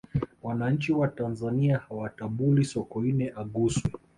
wananchi wa tanzania hawatabuli sokoine aguswe